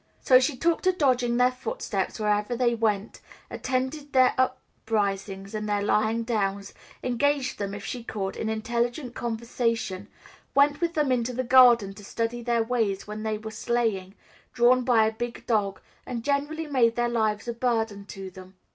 So she took to dogging their footsteps wherever they went, attended their uprisings and their lyings down, engaged them, if she could, in intelligent conversation, went with them into the garden to study their ways when they were sleighing, drawn by a big dog, and generally made their lives a burden to them.